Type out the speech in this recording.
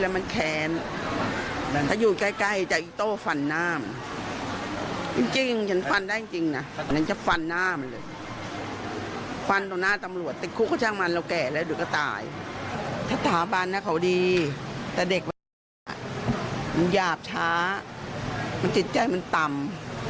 แม่เขาดีแต่เด็กเหมาะหยาบช้าจิตใจมันต่ำ